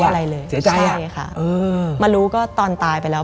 เสียใจอ่ะเอออือใช่ค่ะมารู้ก็ตอนตายไปแล้ว